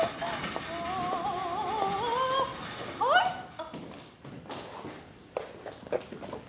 あっ。